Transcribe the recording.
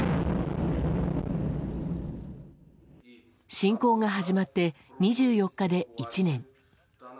侵攻が始まって２４日で１年。